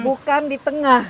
bukan di tengah